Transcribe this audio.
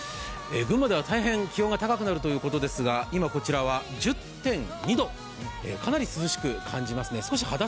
群馬では大変気温が高くなるということですが今こちらは１０．２度、かなり涼しく感じますね。